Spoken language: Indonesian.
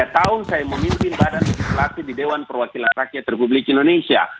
tiga tahun saya memimpin badan legislasi di dewan perwakilan rakyat republik indonesia